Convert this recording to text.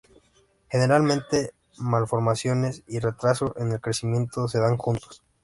Generalmente malformaciones y retraso en el crecimiento se dan juntos.